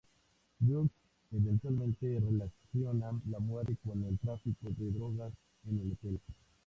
Just eventualmente relaciona la muerte con el tráfico de drogas en el hotel.